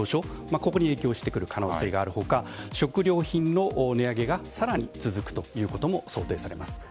ここに影響してくる可能性がある他食料品の値上げが更に続くということも想定されます。